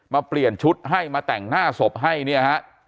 เปลี่ยนชุดให้มาแต่งหน้าศพให้เนี่ยฮะ